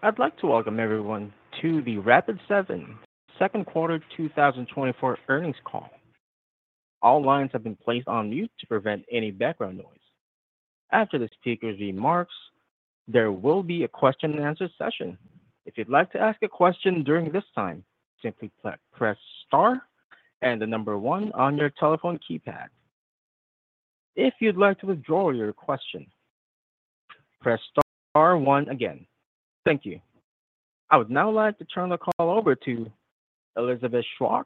I'd like to welcome everyone to the Rapid7 second quarter 2024 earnings call. All lines have been placed on mute to prevent any background noise. After the speaker's remarks, there will be a question and answer session. If you'd like to ask a question during this time, simply press Star and the number one on your telephone keypad. If you'd like to withdraw your question, press star one again. Thank you. I would now like to turn the call over to Elizabeth Chwalk,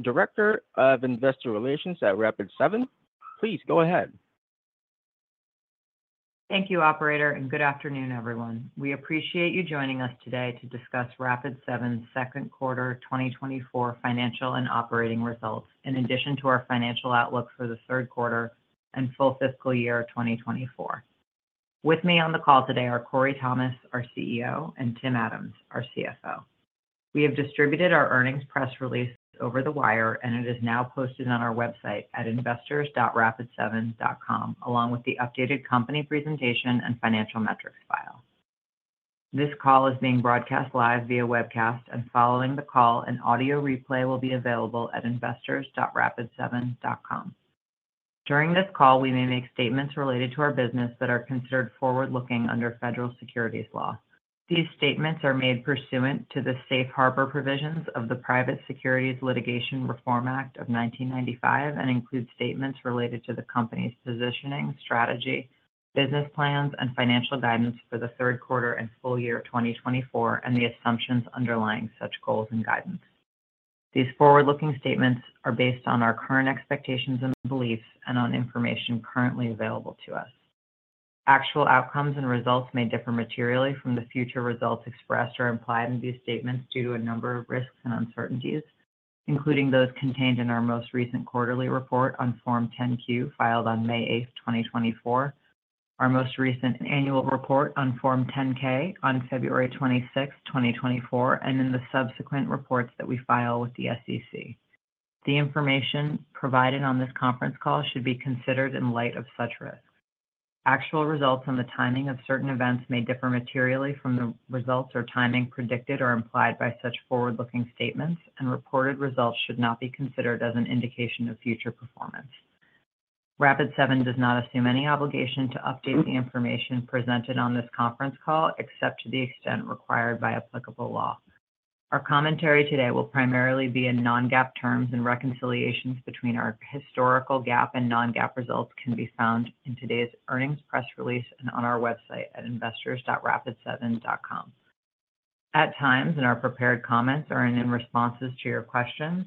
Director of Investor Relations at Rapid7. Please go ahead. Thank you, operator, and good afternoon, everyone. We appreciate you joining us today to discuss Rapid7's second quarter 2024 financial and operating results, in addition to our financial outlook for the third quarter and full fiscal year of 2024. With me on the call today are Corey Thomas, our CEO, and Tim Adams, our CFO. We have distributed our earnings press release over the wire, and it is now posted on our website at investors.rapid7.com, along with the updated company presentation and financial metrics file. This call is being broadcast live via webcast, and following the call, an audio replay will be available at investors.rapid7.com. During this call, we may make statements related to our business that are considered forward-looking under federal securities law. These statements are made pursuant to the Safe Harbor Provisions of the Private Securities Litigation Reform Act of 1995 and include statements related to the company's positioning, strategy, business plans, and financial guidance for the third quarter and full year of 2024, and the assumptions underlying such goals and guidance. These forward-looking statements are based on our current expectations and beliefs and on information currently available to us. Actual outcomes and results may differ materially from the future results expressed or implied in these statements due to a number of risks and uncertainties, including those contained in our most recent quarterly report on Form 10-Q, filed on May 8, 2024, our most recent annual report on Form 10-K on February 26, 2024, and in the subsequent reports that we file with the SEC. The information provided on this conference call should be considered in light of such risks. Actual results and the timing of certain events may differ materially from the results or timing predicted or implied by such forward-looking statements, and reported results should not be considered as an indication of future performance. Rapid7 does not assume any obligation to update the information presented on this conference call, except to the extent required by applicable law. Our commentary today will primarily be in non-GAAP terms, and reconciliations between our historical GAAP and non-GAAP results can be found in today's earnings press release and on our website at investors.rapid7.com. At times, in our prepared comments or in responses to your questions,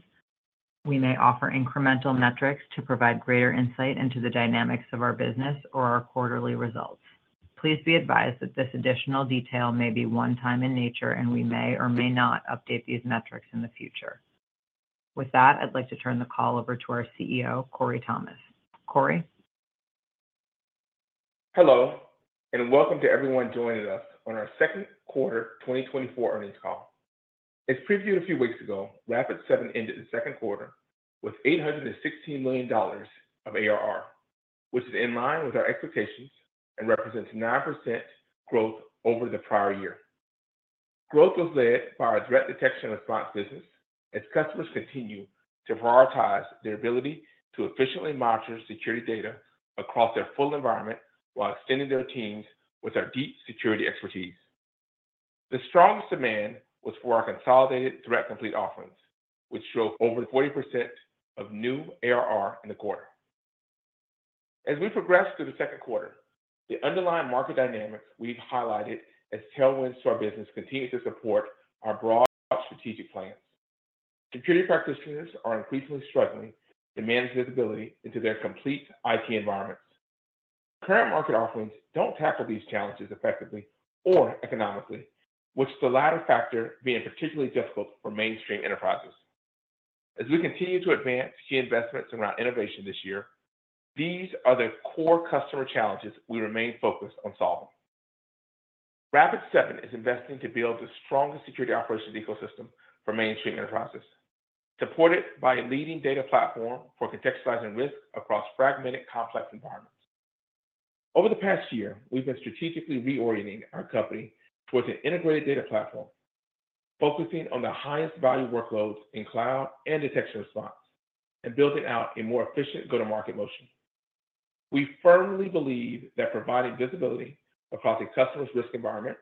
we may offer incremental metrics to provide greater insight into the dynamics of our business or our quarterly results. Please be advised that this additional detail may be one time in nature, and we may or may not update these metrics in the future. With that, I'd like to turn the call over to our CEO, Corey Thomas. Corey? Hello, and welcome to everyone joining us on our second quarter 2024 earnings call. As previewed a few weeks ago, Rapid7 ended the second quarter with $816 million of ARR, which is in line with our expectations and represents 9% growth over the prior year. Growth was led by our threat detection and response business, as customers continue to prioritize their ability to efficiently monitor security data across their full environment while extending their teams with our deep security expertise. The strongest demand was for our consolidated Threat Complete offerings, which show over 40% of new ARR in the quarter. As we progress through the second quarter, the underlying market dynamics we've highlighted as tailwinds to our business continue to support our broad strategic plans. Security practitioners are increasingly struggling to manage visibility into their complete IT environments. Current market offerings don't tackle these challenges effectively or economically, which the latter factor being particularly difficult for mainstream enterprises. As we continue to advance key investments in our innovation this year, these are the core customer challenges we remain focused on solving. Rapid7 is investing to build the strongest security operations ecosystem for mainstream enterprises, supported by a leading data platform for contextualizing risk across fragmented, complex environments. Over the past year, we've been strategically reorienting our company towards an integrated data platform, focusing on the highest value workloads in cloud and detection response, and building out a more efficient go-to-market motion. We firmly believe that providing visibility across a customer's risk environment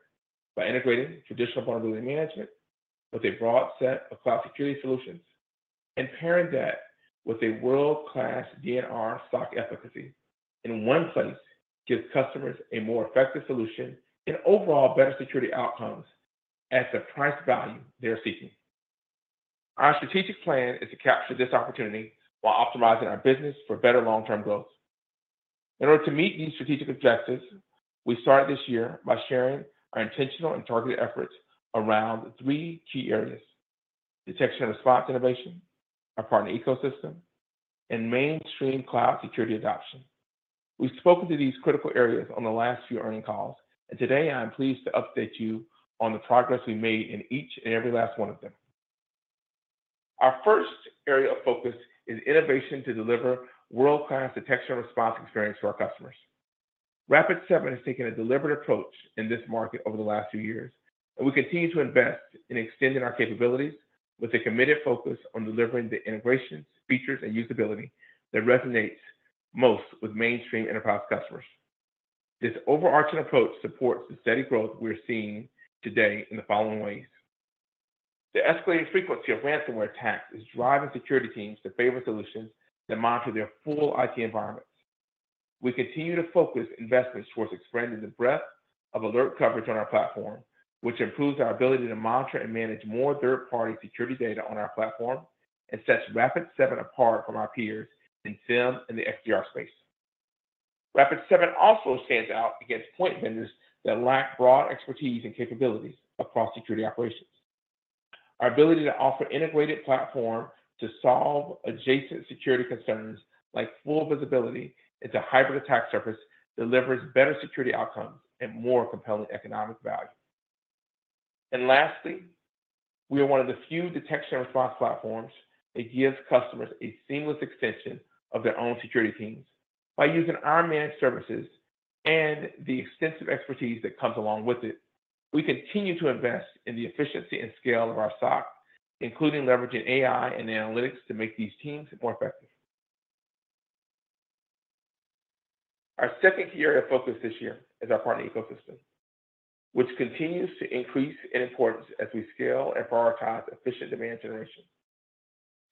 by integrating traditional vulnerability management with a broad set of cloud security solutions and pairing that with a world-class D&R SOC efficacy in one place, gives customers a more effective solution and overall better security outcomes at the price value they are seeking. Our strategic plan is to capture this opportunity while optimizing our business for better long-term growth. In order to meet these strategic objectives, we started this year by sharing our intentional and targeted efforts around three key areas: detection and response innovation, our partner ecosystem, and mainstream cloud security adoption. We've spoken to these critical areas on the last few earnings calls, and today I'm pleased to update you on the progress we made in each and every last one of them.... Our first area of focus is innovation to deliver world-class detection and response experience to our customers. Rapid7 has taken a deliberate approach in this market over the last few years, and we continue to invest in extending our capabilities with a committed focus on delivering the integrations, features, and usability that resonates most with mainstream enterprise customers. This overarching approach supports the steady growth we're seeing today in the following ways: The escalating frequency of ransomware attacks is driving security teams to favor solutions that monitor their full IT environments. We continue to focus investments towards expanding the breadth of alert coverage on our platform, which improves our ability to monitor and manage more third-party security data on our platform, and sets Rapid7 apart from our peers in SIEM and the XDR space. Rapid7 also stands out against point vendors that lack broad expertise and capabilities across security operations. Our ability to offer integrated platform to solve adjacent security concerns, like full visibility into hybrid attack surface, delivers better security outcomes and more compelling economic value. And lastly, we are one of the few detection and response platforms that gives customers a seamless extension of their own security teams. By using our managed services and the extensive expertise that comes along with it, we continue to invest in the efficiency and scale of our SOC, including leveraging AI and analytics to make these teams more effective. Our second key area of focus this year is our partner ecosystem, which continues to increase in importance as we scale and prioritize efficient demand generation.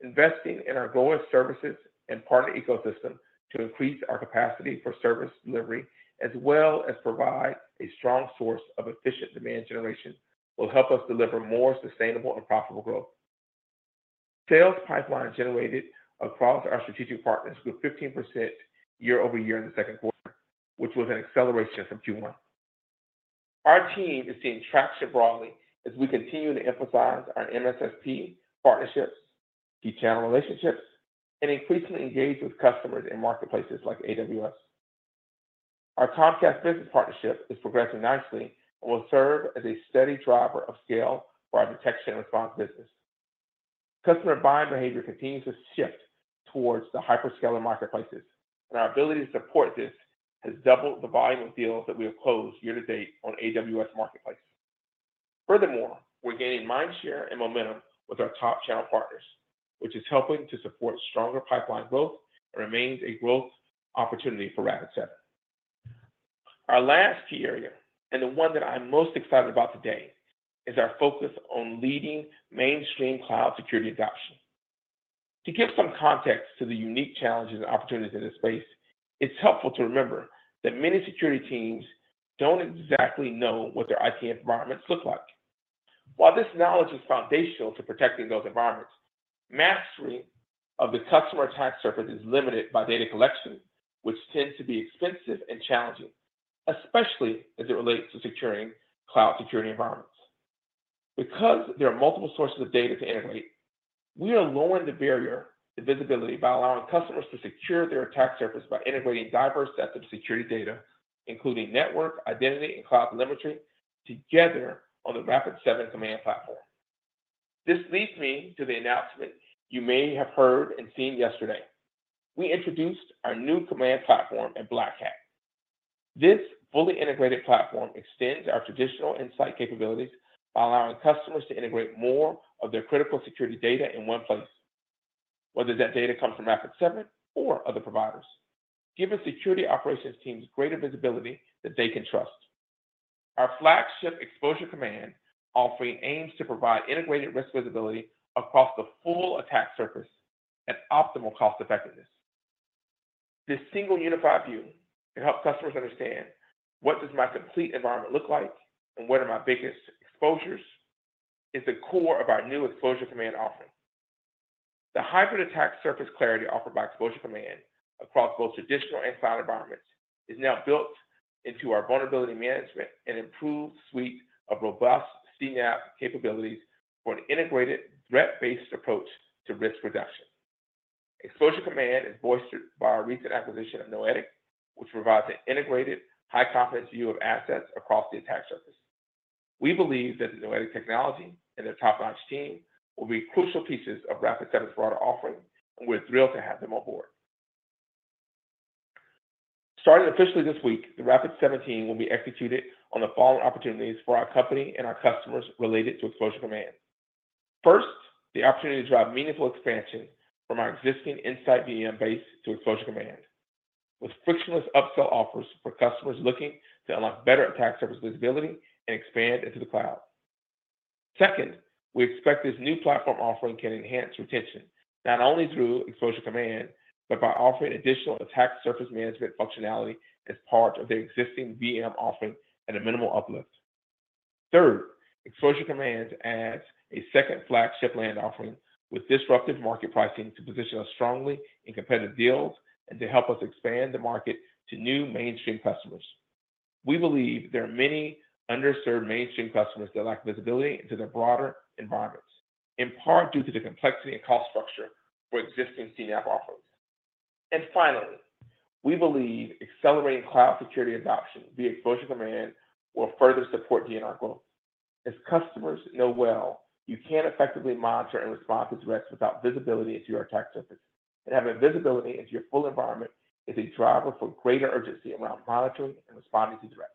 Investing in our go-to services and partner ecosystem to increase our capacity for service delivery, as well as provide a strong source of efficient demand generation, will help us deliver more sustainable and profitable growth. Sales pipeline generated across our strategic partners grew 15% year-over-year in the second quarter, which was an acceleration from Q1. Our team is seeing traction broadly as we continue to emphasize our MSSP partnerships, key channel relationships, and increasingly engage with customers in marketplaces like AWS. Our Comcast Business partnership is progressing nicely and will serve as a steady driver of scale for our detection and response business. Customer buying behavior continues to shift towards the hyperscaler marketplaces, and our ability to support this has doubled the volume of deals that we have closed year to date on AWS Marketplace. Furthermore, we're gaining mind share and momentum with our top channel partners, which is helping to support stronger pipeline growth and remains a growth opportunity for Rapid7. Our last key area, and the one that I'm most excited about today, is our focus on leading mainstream cloud security adoption. To give some context to the unique challenges and opportunities in this space, it's helpful to remember that many security teams don't exactly know what their IT environments look like. While this knowledge is foundational to protecting those environments, mastery of the customer attack surface is limited by data collection, which tends to be expensive and challenging, especially as it relates to securing cloud security environments. Because there are multiple sources of data to integrate, we are lowering the barrier to visibility by allowing customers to secure their attack surface by integrating diverse sets of security data, including network, identity, and cloud telemetry together on the Rapid7 Command Platform. This leads me to the announcement you may have heard and seen yesterday. We introduced our new Command Platform at Black Hat. This fully integrated platform extends our traditional Insight capabilities by allowing customers to integrate more of their critical security data in one place, whether that data comes from Rapid7 or other providers, giving security operations teams greater visibility that they can trust. Our flagship Exposure Command offering aims to provide integrated risk visibility across the full attack surface and optimal cost effectiveness. This single unified view can help customers understand what does my complete environment look like and what are my biggest exposures, is the core of our new Exposure Command offering. The hybrid attack surface clarity offered by Exposure Command across both traditional and cloud environments is now built into our vulnerability management and improved suite of robust CNAPP capabilities for an integrated, threat-based approach to risk reduction. Exposure Command is bolstered by our recent acquisition of Noetic, which provides an integrated, high-confidence view of assets across the attack surface. We believe that the Noetic technology and their top-notch team will be crucial pieces of Rapid7's broader offering, and we're thrilled to have them on board. Starting officially this week, the Rapid7 team will be executed on the following opportunities for our company and our customers related to Exposure Command. First, the opportunity to drive meaningful expansion from our existing InsightVM base to Exposure Command, with frictionless upsell offers for customers looking to unlock better attack surface visibility and expand into the cloud. Second, we expect this new platform offering can enhance retention, not only through Exposure Command, but by offering additional attack surface management functionality as part of their existing VM offering at a minimal uplift. Third, Exposure Command adds a second flagship land offering with disruptive market pricing to position us strongly in competitive deals and to help us expand the market to new mainstream customers. We believe there are many underserved mainstream customers that lack visibility into their broader environments, in part due to the complexity and cost structure for existing CNAPP offerings... And finally, we believe accelerating cloud security adoption via Exposure Command will further support D&R growth. As customers know well, you can't effectively monitor and respond to threats without visibility into your attack surface. And having visibility into your full environment is a driver for greater urgency around monitoring and responding to threats.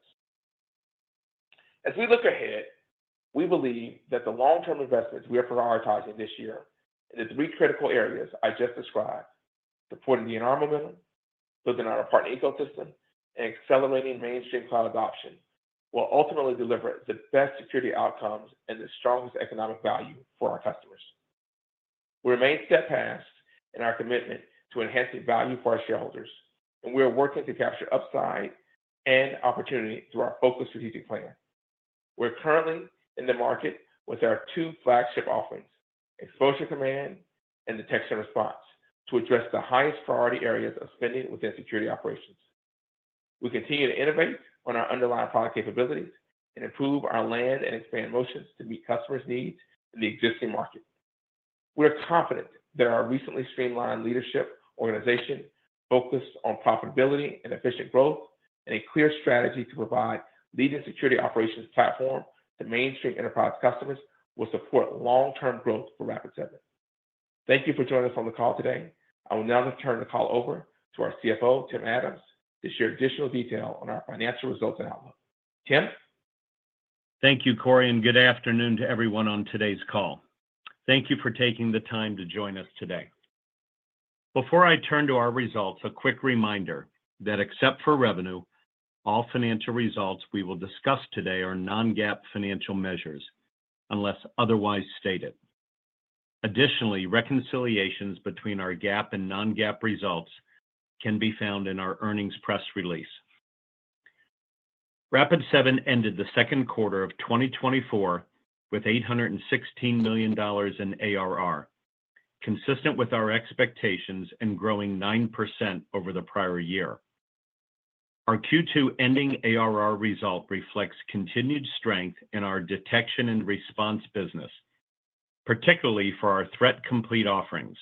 As we look ahead, we believe that the long-term investments we are prioritizing this year in the three critical areas I just described, supporting D&R momentum, building our partner ecosystem, and accelerating mainstream cloud adoption, will ultimately deliver the best security outcomes and the strongest economic value for our customers. We remain steadfast in our commitment to enhancing value for our shareholders, and we are working to capture upside and opportunity through our focused strategic plan. We're currently in the market with our two flagship offerings, Exposure Command and Detection and Response, to address the highest priority areas of spending within security operations. We continue to innovate on our underlying product capabilities and improve our land and expand motions to meet customers' needs in the existing market. We are confident that our recently streamlined leadership organization focused on profitability and efficient growth, and a clear strategy to provide leading security operations platform to mainstream enterprise customers, will support long-term growth for Rapid7. Thank you for joining us on the call today. I will now turn the call over to our CFO, Tim Adams, to share additional detail on our financial results and outlook. Tim? Thank you, Corey, and good afternoon to everyone on today's call. Thank you for taking the time to join us today. Before I turn to our results, a quick reminder that except for revenue, all financial results we will discuss today are non-GAAP financial measures, unless otherwise stated. Additionally, reconciliations between our GAAP and non-GAAP results can be found in our earnings press release. Rapid7 ended the second quarter of 2024 with $816 million in ARR, consistent with our expectations and growing 9% over the prior year. Our Q2 ending ARR result reflects continued strength in our detection and response business, particularly for our Threat Complete offerings.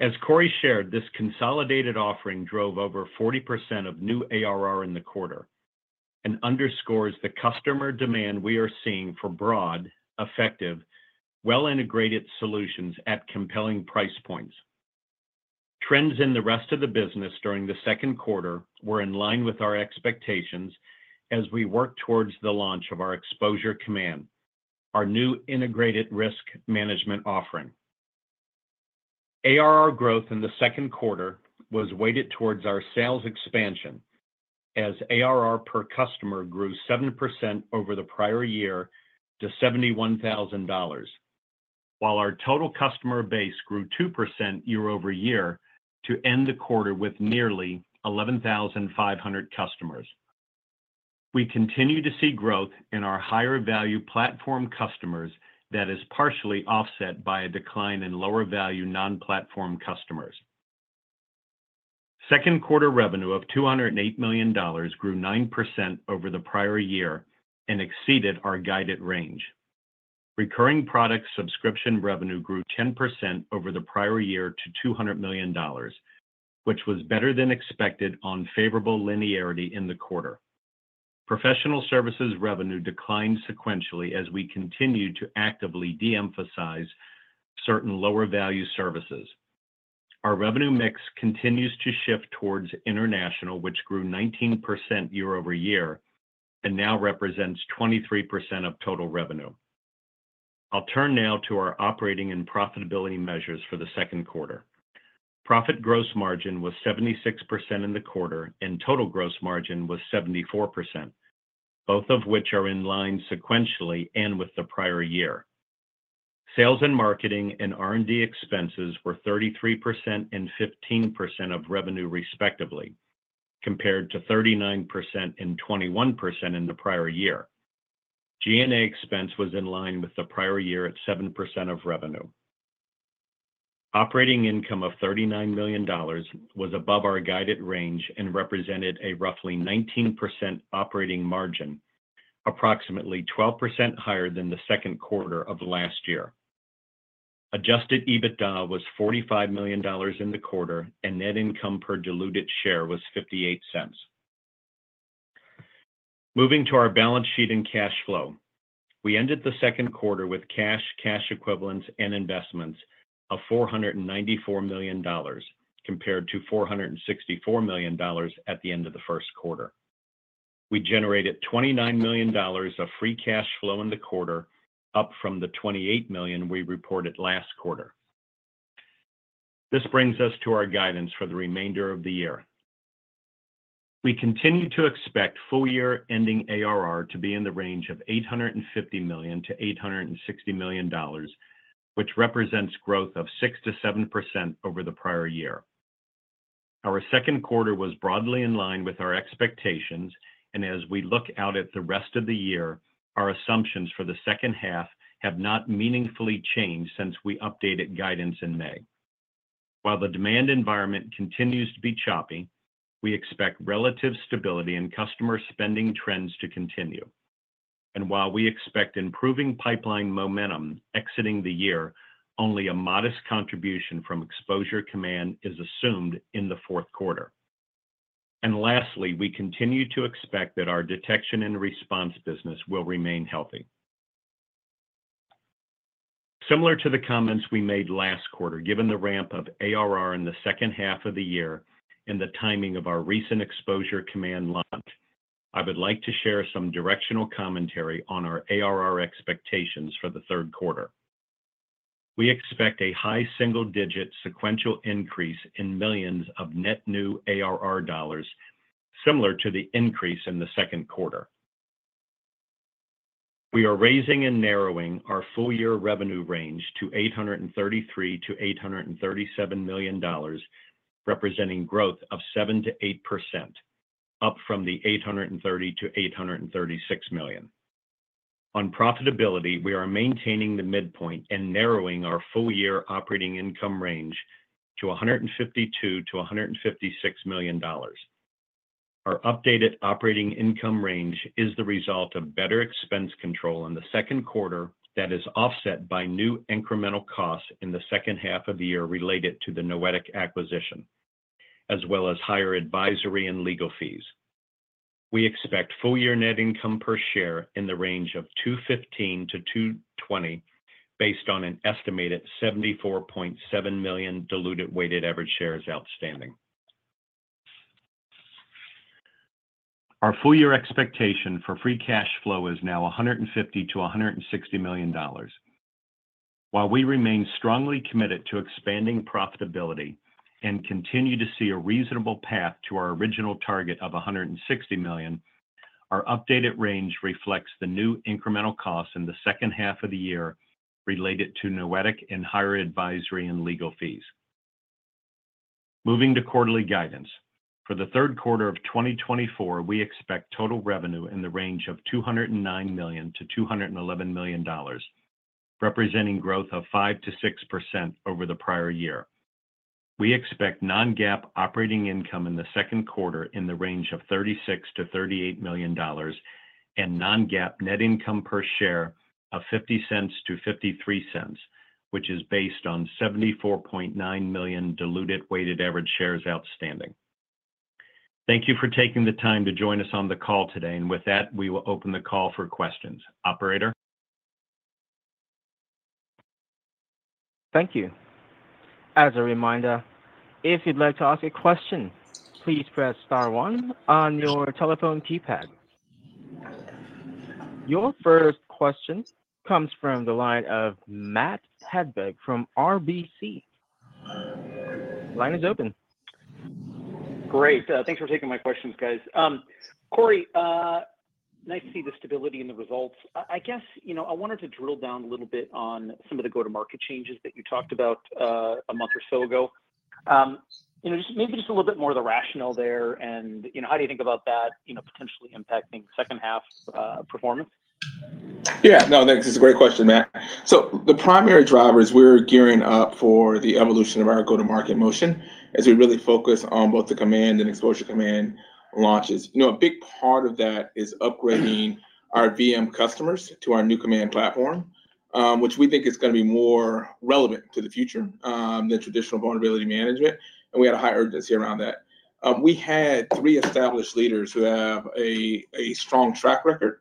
As Corey shared, this consolidated offering drove over 40% of new ARR in the quarter and underscores the customer demand we are seeing for broad, effective, well-integrated solutions at compelling price points. Trends in the rest of the business during the second quarter were in line with our expectations as we work towards the launch of our Exposure Command, our new integrated risk management offering. ARR growth in the second quarter was weighted towards our sales expansion, as ARR per customer grew 7% over the prior year to $71,000, while our total customer base grew 2% year-over-year to end the quarter with nearly 11,500 customers. We continue to see growth in our higher value platform customers that is partially offset by a decline in lower value non-platform customers. Second quarter revenue of $208 million grew 9% over the prior year and exceeded our guided range. Recurring product subscription revenue grew 10% over the prior year to $200 million, which was better than expected on favorable linearity in the quarter. Professional services revenue declined sequentially as we continued to actively de-emphasize certain lower value services. Our revenue mix continues to shift towards International, which grew 19% year-over-year and now represents 23% of total revenue. I'll turn now to our operating and profitability measures for the second quarter. Product gross margin was 76% in the quarter, and total gross margin was 74%, both of which are in line sequentially and with the prior year. Sales and marketing and R&D expenses were 33% and 15% of revenue, respectively, compared to 39% and 21% in the prior year. G&A expense was in line with the prior year at 7% of revenue. Operating income of $39 million was above our guided range and represented a roughly 19% operating margin, approximately 12% higher than the second quarter of last year. Adjusted EBITDA was $45 million in the quarter, and net income per diluted share was $0.58. Moving to our balance sheet and cash flow, we ended the second quarter with cash, cash equivalents, and investments of $494 million, compared to $464 million at the end of the first quarter. We generated $29 million of free cash flow in the quarter, up from the $28 million we reported last quarter. This brings us to our guidance for the remainder of the year. We continue to expect full year ending ARR to be in the range of $850 million-$860 million, which represents growth of 6%-7% over the prior year. Our second quarter was broadly in line with our expectations, and as we look out at the rest of the year, our assumptions for the second half have not meaningfully changed since we updated guidance in May. While the demand environment continues to be choppy, we expect relative stability in customer spending trends to continue.... While we expect improving pipeline momentum exiting the year, only a modest contribution from Exposure Command is assumed in the fourth quarter. Lastly, we continue to expect that our detection and response business will remain healthy. Similar to the comments we made last quarter, given the ramp of ARR in the second half of the year and the timing of our recent Exposure Command launch, I would like to share some directional commentary on our ARR expectations for the third quarter. We expect a high single-digit sequential increase in millions of net new ARR dollars, similar to the increase in the second quarter. We are raising and narrowing our full-year revenue range to $833 million-$837 million, representing growth of 7%-8%, up from the $830 million-$836 million. On profitability, we are maintaining the midpoint and narrowing our full-year operating income range to $152 million-$156 million. Our updated operating income range is the result of better expense control in the second quarter that is offset by new incremental costs in the second half of the year related to the Noetic acquisition, as well as higher advisory and legal fees. We expect full-year net income per share in the range of $2.15-$2.20, based on an estimated 74.7 million diluted weighted average shares outstanding. Our full-year expectation for free cash flow is now $150 million-$160 million. While we remain strongly committed to expanding profitability and continue to see a reasonable path to our original target of $160 million, our updated range reflects the new incremental costs in the second half of the year related to Noetic and higher advisory and legal fees. Moving to quarterly guidance. For the third quarter of 2024, we expect total revenue in the range of $209 million-$211 million, representing growth of 5%-6% over the prior year. We expect non-GAAP operating income in the second quarter in the range of $36 million-$38 million, and non-GAAP net income per share of $0.50-$0.53, which is based on 74.9 million diluted weighted average shares outstanding. Thank you for taking the time to join us on the call today, and with that, we will open the call for questions. Operator? Thank you. As a reminder, if you'd like to ask a question, please press star one on your telephone keypad. Your first question comes from the line of Matt Hedberg from RBC. Line is open. Great. Thanks for taking my questions, guys. Corey, nice to see the stability in the results. I guess, you know, I wanted to drill down a little bit on some of the go-to-market changes that you talked about a month or so ago. You know, just maybe just a little bit more of the rationale there and, you know, how do you think about that, you know, potentially impacting second half performance? Yeah. No, thanks. It's a great question, Matt. So the primary drivers, we're gearing up for the evolution of our go-to-market motion as we really focus on both the Command and Exposure Command launches. You know, a big part of that is upgrading our VM customers to our new Command Platform, which we think is gonna be more relevant to the future, than traditional vulnerability management, and we had a high urgency around that. We had three established leaders who have a, a strong track record,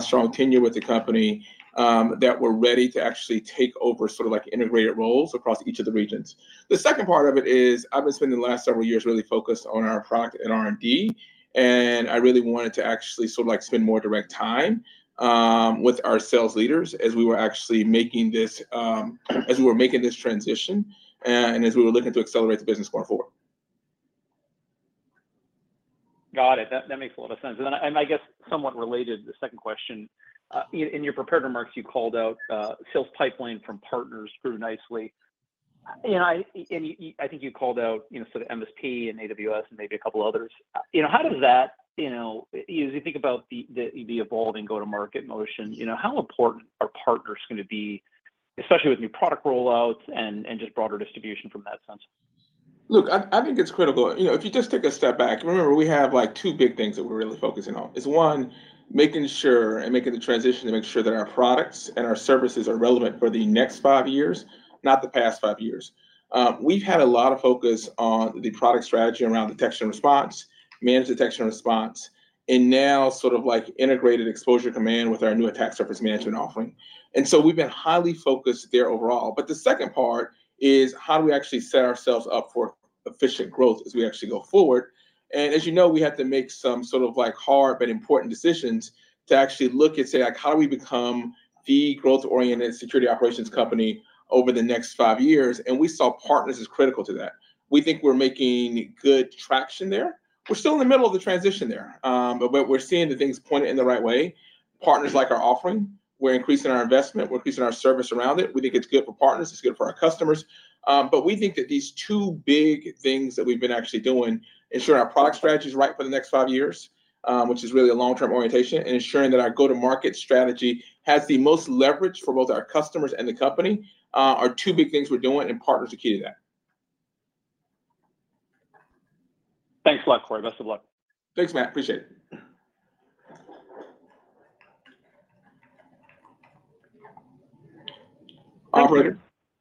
strong tenure with the company, that were ready to actually take over sort of like integrated roles across each of the regions. The second part of it is, I've been spending the last several years really focused on our product and R&D, and I really wanted to actually sort of, like, spend more direct time with our sales leaders as we were actually making this, as we were making this transition and as we were looking to accelerate the business going forward. Got it. That makes a lot of sense. And then, I guess, somewhat related, the second question, in your prepared remarks, you called out sales pipeline from partners grew nicely. And you, I think you called out, you know, sort of MSP and AWS and maybe a couple others. You know, how does that, you know, as you think about the evolving go-to-market motion, you know, how important are partners gonna be, especially with new product rollouts and just broader distribution from that sense? Look, I think it's critical. You know, if you just take a step back, remember, we have, like, two big things that we're really focusing on, is, one, making sure and making the transition to make sure that our products and our services are relevant for the next five years, not the past five years. We've had a lot of focus on the product strategy around detection and response, managed detection and response, and now sort of like integrated Exposure Command with our new attack surface management offering. And so we've been highly focused there overall. But the second part is, how do we actually set ourselves up for efficient growth as we actually go forward? As you know, we had to make some sort of, like, hard but important decisions to actually look and say, like, "How do we become the growth-oriented security operations company over the next five years?" We saw partners as critical to that. We think we're making good traction there. We're still in the middle of the transition there, but we're seeing the things pointed in the right way. Partners like our offering. We're increasing our investment, we're increasing our service around it. We think it's good for partners, it's good for our customers. But we think that these two big things that we've been actually doing, ensuring our product strategy is right for the next five years, which is really a long-term orientation, and ensuring that our go-to-market strategy has the most leverage for both our customers and the company, are two big things we're doing, and partners are key to that.... Thanks a lot, Corey. Best of luck. Thanks, Matt. Appreciate it. Operator?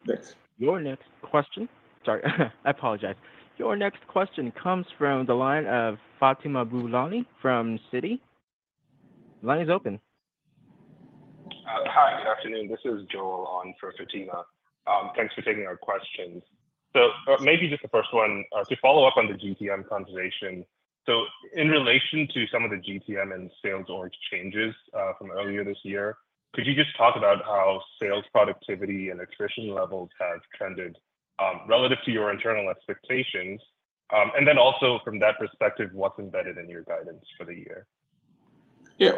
Thanks. Your next question. Sorry, I apologize. Your next question comes from the line of Fatima Boolani from Citi. The line is open. Hi, good afternoon. This is Joel on for Fatima. Thanks for taking our questions. So, maybe just the first one, to follow up on the GTM conversation. So in relation to some of the GTM and sales org changes, from earlier this year, could you just talk about how sales productivity and attrition levels have trended, relative to your internal expectations? And then also from that perspective, what's embedded in your guidance for the year? Yeah,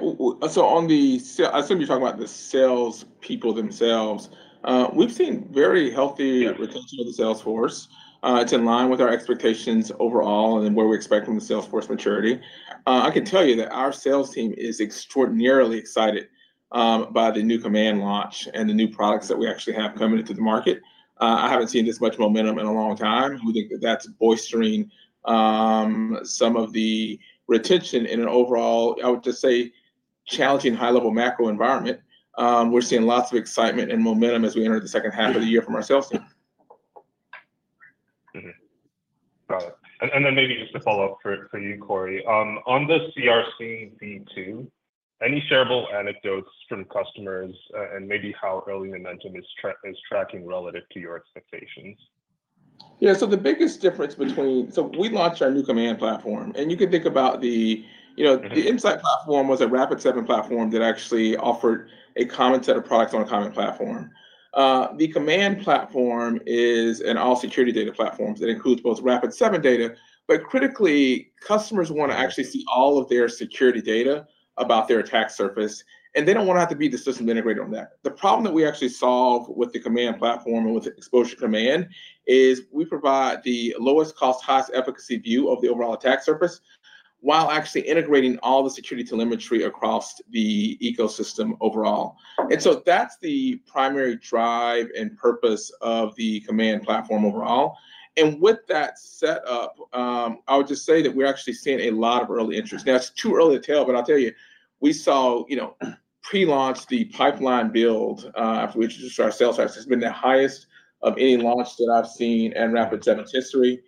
so on the sales, I assume you're talking about the salespeople themselves. We've seen very healthy retention of the sales force. It's in line with our expectations overall and where we expect from the sales force maturity. I can tell you that our sales team is extraordinarily excited by the new Command launch and the new products that we actually have coming into the market. I haven't seen this much momentum in a long time. We think that that's bolstering some of the retention in an overall, I would just say, challenging high-level macro environment. We're seeing lots of excitement and momentum as we enter the second half of the year from our sales team. Mm-hmm. Got it. And then maybe just to follow up for you, Corey. On the CRC V2, any shareable anecdotes from customers, and maybe how early momentum is tracking relative to your expectations? Yeah, so the biggest difference between... So we launched our new Command Platform, and you can think about the, you know the Insight platform was a Rapid7 platform that actually offered a common set of products on a common platform. The Command Platform is an all-security data platform that includes plus Rapid7 data, but critically, customers wanna actually see all of their security data about their attack surface, and they don't wanna have to be the system integrator on that. The problem that we actually solve with the Command Platform and with Exposure Command is we provide the lowest cost, highest efficacy view of the overall attack surface, while actually integrating all the security telemetry across the ecosystem overall. And so that's the primary drive and purpose of the Command Platform overall. And with that set up, I would just say that we're actually seeing a lot of early interest. Now, it's too early to tell, but I'll tell you, we saw, you know, pre-launch, the pipeline build, for which is just our sales force, has been the highest of any launch that I've seen in Rapid7's history.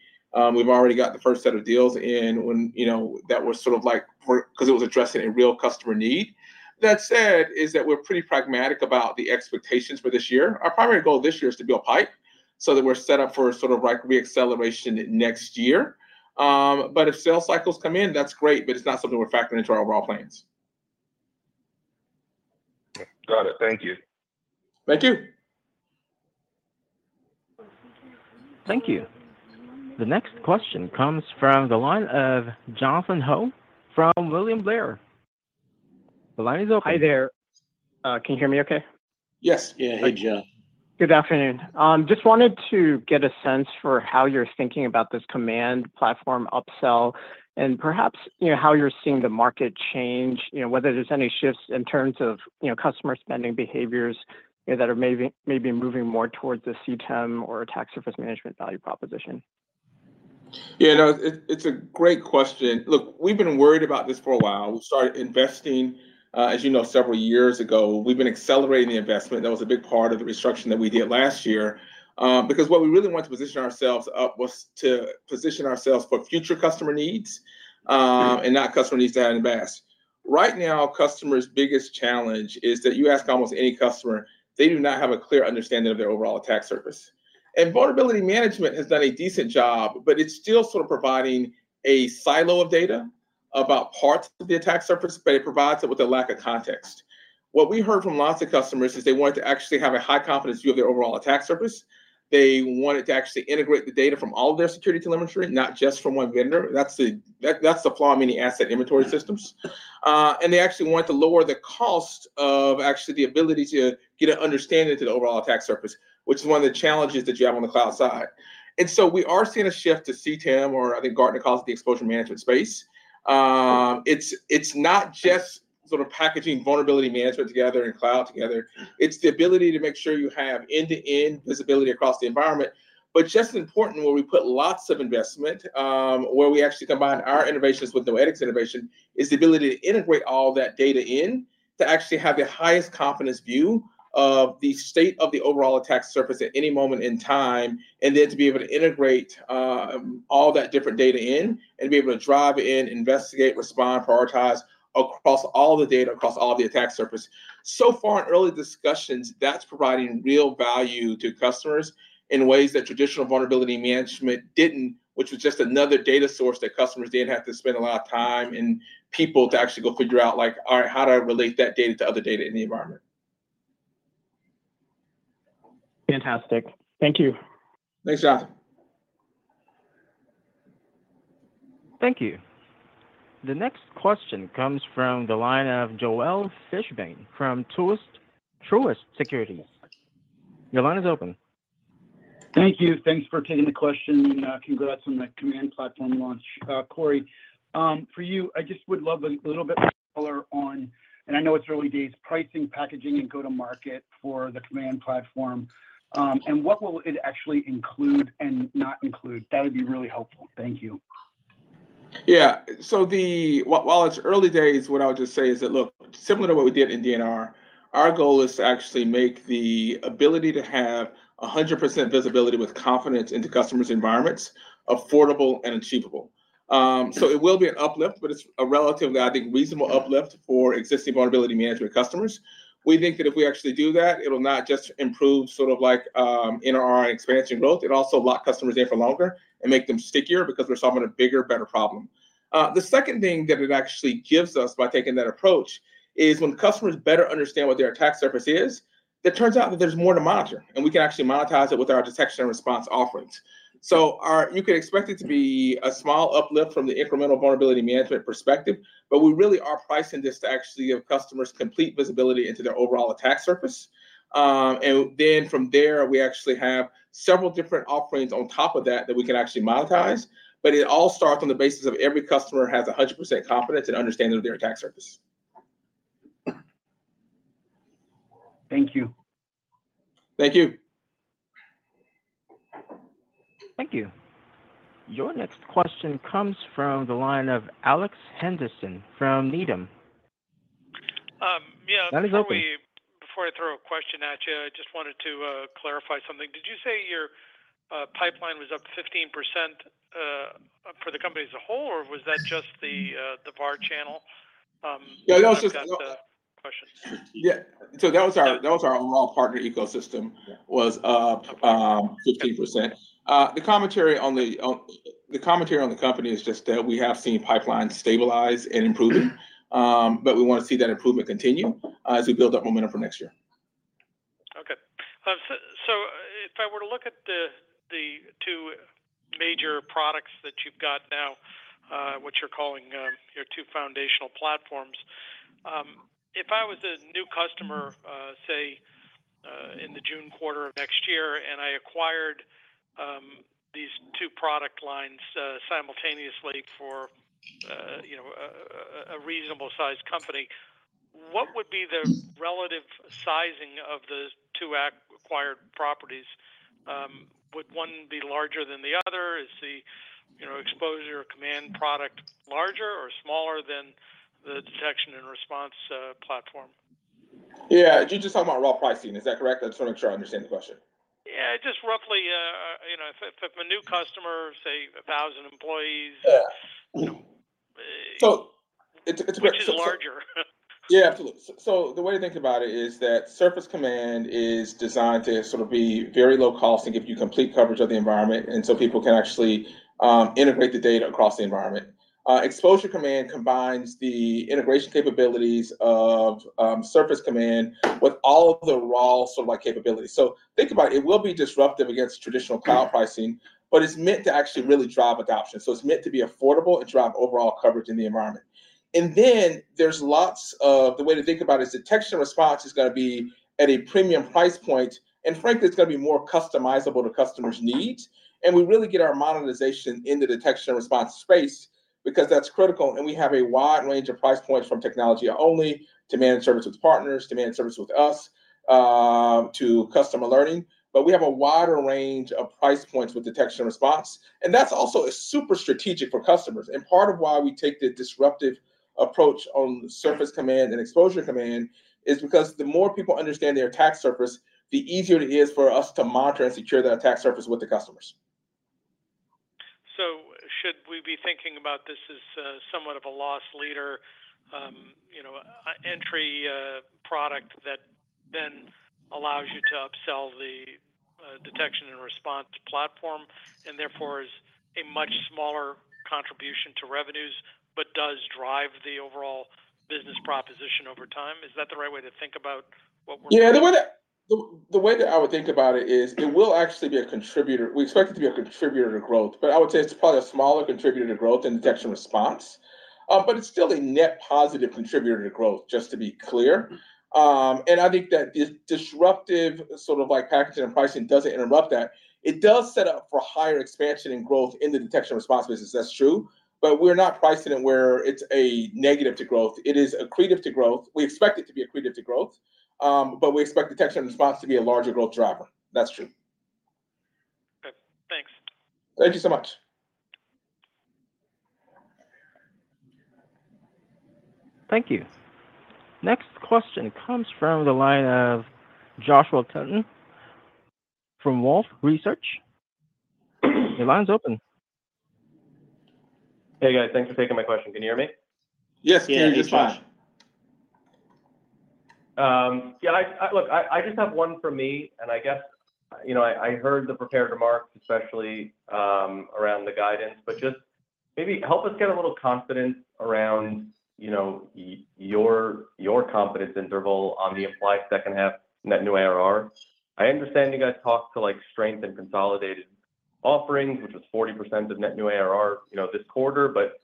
We've already got the first set of deals in when, you know, that was sort of like 'cause it was addressing a real customer need. That said, is that we're pretty pragmatic about the expectations for this year. Our primary goal this year is to build pipe so that we're set up for sort of like re-acceleration next year. But if sales cycles come in, that's great, but it's not something we're factoring into our overall plans. Got it. Thank you. Thank you! Thank you. The next question comes from the line of Jonathan Ho from William Blair. The line is open. Hi there. Can you hear me okay? Yes. Yeah. Hey, John. Good afternoon. Just wanted to get a sense for how you're thinking about this Command Platform upsell and perhaps, you know, how you're seeing the market change. You know, whether there's any shifts in terms of, you know, customer spending behaviors, you know, that are maybe, maybe moving more towards the CTEM or attack surface management value proposition. Yeah, no, it's a great question. Look, we've been worried about this for a while. We started investing, as you know, several years ago. We've been accelerating the investment. That was a big part of the restructuring that we did last year. Because what we really wanted to position ourselves up was to position ourselves for future customer needs, and not customer needs out in the past. Right now, customers' biggest challenge is that you ask almost any customer, they do not have a clear understanding of their overall attack surface. Vulnerability management has done a decent job, but it's still sort of providing a silo of data about parts of the attack surface, but it provides it with a lack of context. What we heard from lots of customers is they wanted to actually have a high confidence view of their overall attack surface. They wanted to actually integrate the data from all of their security telemetry, not just from one vendor. That's the flaw in many asset inventory systems. They actually wanted to lower the cost of actually the ability to get an understanding to the overall attack surface, which is one of the challenges that you have on the cloud side. So we are seeing a shift to CTEM, or I think Gartner calls it the Exposure Management space. It's not just sort of packaging vulnerability management together and cloud together. It's the ability to make sure you have end-to-end visibility across the environment. But just as important, where we put lots of investment, where we actually combine our innovations with Noetic's innovation, is the ability to integrate all that data in, to actually have the highest confidence view of the state of the overall attack surface at any moment in time, and then to be able to integrate, all that different data in and be able to drive in, investigate, respond, prioritize across all the data, across all of the attack surface. So far, in early discussions, that's providing real value to customers in ways that traditional vulnerability management didn't, which was just another data source that customers then have to spend a lot of time and people to actually go figure out, like, all right, how do I relate that data to other data in the environment? Fantastic. Thank you. Thanks, Jonathan. Thank you. The next question comes from the line of Joel Fishbein from Truist Securities. Your line is open. Thank you. Thanks for taking the question, congrats on the Command Platform launch. Corey, For you, I just would love a little bit more color on, and I know it's early days, pricing, packaging, and go-to-market for the Command Platform. And what will it actually include and not include? That would be really helpful. Thank you. Yeah. So while it's early days, what I would just say is that, look, similar to what we did in D&R, our goal is to actually make the ability to have 100% visibility with confidence into customers' environments, affordable and achievable. So it will be an uplift, but it's a relatively, I think, reasonable uplift for existing vulnerability management customers. We think that if we actually do that, it'll not just improve, sort of like, in our expansion growth, it'll also lock customers in for longer and make them stickier because we're solving a bigger, better problem. The second thing that it actually gives us by taking that approach is when customers better understand what their attack surface is, it turns out that there's more to monitor, and we can actually monetize it with our detection and response offerings. So you can expect it to be a small uplift from the incremental vulnerability management perspective, but we really are pricing this to actually give customers complete visibility into their overall attack surface. And then from there, we actually have several different offerings on top of that that we can actually monetize. But it all starts on the basis of every customer has 100% confidence and understanding of their attack surface. Thank you. Thank you. Thank you. Your next question comes from the line of Alex Henderson from Needham. The line is open. Before I throw a question at you, I just wanted to clarify something. Did you say your pipeline was up 15% for the company as a whole, or was that just the VAR channel? Yeah, that was- Questions. Yeah. So that was our overall partner ecosystem was up 15%. The commentary on the company is just that we have seen pipelines stabilize and improving, but we wanna see that improvement continue as we build up momentum for next year. Okay. So if I were to look at the two major products that you've got now, what you're calling your two foundational platforms, if I was a new customer, say, in the June quarter of next year, and I acquired these two product lines simultaneously for, you know, a reasonable-sized company, what would be the relative sizing of the two acquired properties? Would one be larger than the other? Is the, you know, Exposure Command product larger or smaller than the detection and response platform? Yeah. You're just talking about raw pricing, is that correct? I just wanna make sure I understand the question. Yeah, just roughly, you know, if I'm a new customer, say, 1,000 employees- Yeah. So it's— Which is larger? Yeah, absolutely. So the way to think about it is that Surface Command is designed to sort of be very low cost and give you complete coverage of the environment, and so people can actually integrate the data across the environment. Exposure Command combines the integration capabilities of Surface Command with all of the raw sort of like capabilities. So think about it, it will be disruptive against traditional cloud pricing, but it's meant to actually really drive adoption. So it's meant to be affordable and drive overall coverage in the environment. And then there's lots of... The way to think about it is detection and response is gonna be at a premium price point, and frankly, it's gonna be more customizable to customers' needs. We really get our monetization in the detection and response space because that's critical, and we have a wide range of price points from technology only, to managed service with partners, to managed service with us, to customer learning. But we have a wider range of price points with detection and response, and that's also super strategic for customers. And part of why we take the disruptive approach on Surface Command and Exposure Command is because the more people understand their attack surface, the easier it is for us to monitor and secure that attack surface with the customers. So should we be thinking about this as somewhat of a loss leader, you know, entry product that then allows you to upsell the detection and response platform, and therefore is a much smaller contribution to revenues, but does drive the overall business proposition over time? Is that the right way to think about what we're- Yeah, the way that I would think about it is it will actually be a contributor. We expect it to be a contributor to growth, but I would say it's probably a smaller contributor to growth than detection and response. But it's still a net positive contributor to growth, just to be clear. And I think that the disruptive, sort of like packaging and pricing, doesn't interrupt that. It does set up for higher expansion and growth in the detection and response business. That's true, but we're not pricing it where it's a negative to growth. It is accretive to growth. We expect it to be accretive to growth, but we expect detection and response to be a larger growth driver. That's true. Okay, thanks. Thank you so much. Thank you. Next question comes from the line of Joshua Tilton from Wolfe Research. The line's open. Hey, guys. Thanks for taking my question. Can you hear me? Yes, can you just fine. Yeah, we can. Yeah, look, I just have one from me, and I guess, you know, I heard the prepared remarks, especially around the guidance, but just maybe help us get a little confidence around, you know, your confidence interval on the implied second half net new ARR. I understand you guys talked to, like, strength and consolidated offerings, which is 40% of net new ARR, you know, this quarter, but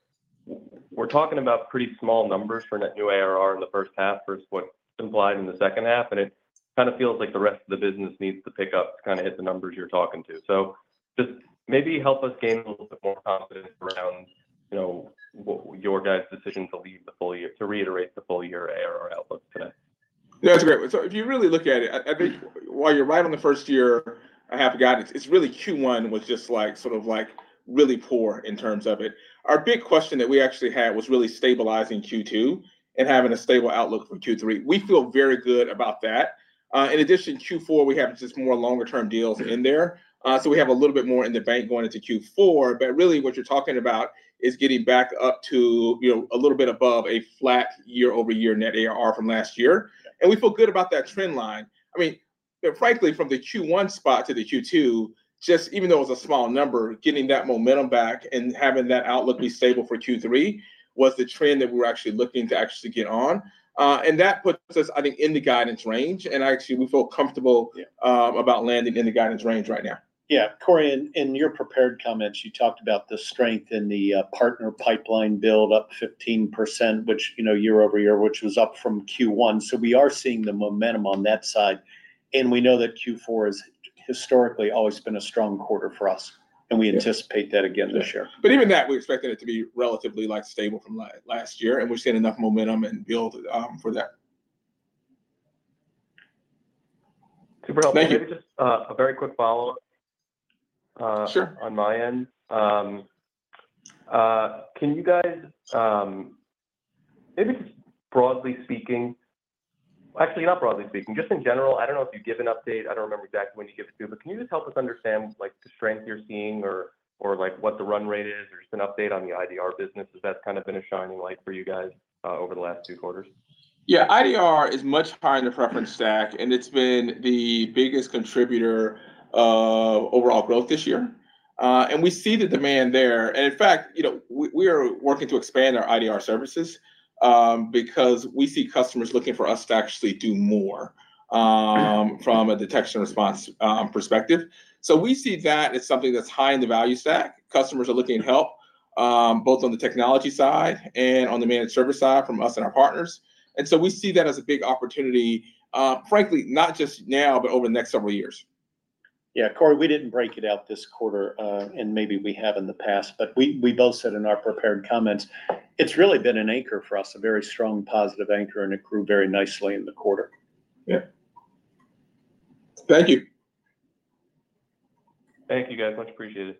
we're talking about pretty small numbers for net new ARR in the first half versus what's implied in the second half, and kind of feels like the rest of the business needs to pick up to kind of hit the numbers you're talking to. Just maybe help us gain a little bit more confidence around, you know, what your guys' decision to leave the full year—to reiterate the full year ARR outlook today. Yeah, that's great. So if you really look at it, I, I think while you're right on the first half guidance, it's really Q1 was just like, sort of like really poor in terms of it. Our big question that we actually had was really stabilizing Q2 and having a stable outlook from Q3. We feel very good about that. In addition, Q4, we have just more longer term deals in there. So we have a little bit more in the bank going into Q4, but really, what you're talking about is getting back up to, you know, a little bit above a flat year-over-year net ARR from last year. And we feel good about that trend line. I mean, frankly, from the Q1 spot to the Q2, just even though it was a small number, getting that momentum back and having that outlook be stable for Q3 was the trend that we're actually looking to actually get on. And that puts us, I think, in the guidance range. And actually, we feel comfortable- Yeah... about landing in the guidance range right now. Yeah. Corey, in your prepared comments, you talked about the strength in the partner pipeline build up 15%, which, you know, year-over-year, which was up from Q1. So we are seeing the momentum on that side, and we know that Q4 is historically always been a strong quarter for us. Yeah and we anticipate that again this year. But even that, we expected it to be relatively, like, stable from last year, and we've seen enough momentum and build for that. Super helpful. Thank you. Just a very quick follow-up, Sure - on my end. Can you guys maybe just broadly speaking, actually, not broadly speaking, just in general, I don't know if you give an update. I don't remember exactly when you give it to, but can you just help us understand, like, the strength you're seeing or, or like, what the run rate is, or just an update on the IDR business? Has that kind of been a shining light for you guys over the last two quarters? Yeah. IDR is much higher in the preference stack, and it's been the biggest contributor of overall growth this year. And we see the demand there, and in fact, you know, we are working to expand our IDR services, because we see customers looking for us to actually do more, from a detection response perspective. So we see that as something that's high in the value stack. Customers are looking at help, both on the technology side and on the managed service side from us and our partners. And so we see that as a big opportunity, frankly, not just now, but over the next several years. Yeah, Corey, we didn't break it out this quarter, and maybe we have in the past, but we both said in our prepared comments, it's really been an anchor for us, a very strong positive anchor, and it grew very nicely in the quarter. Yeah. Thank you. Thank you, guys. Much appreciated.